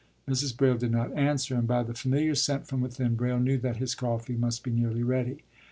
” Mrs. Braile did not answer, and by the familiar scent from within, Braile knew that his coffee must be nearly ready.